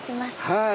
はい。